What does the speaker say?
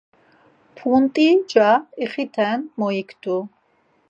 Punt̆i ca ixiten muyiktu.